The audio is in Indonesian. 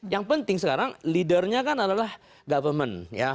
yang penting sekarang leadernya kan adalah government